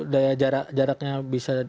daya jaraknya bisa